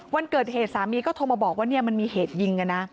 วันเกิดเหตุสามีก็โทรมาบอกว่ามันมีเหตุยิงกันนะ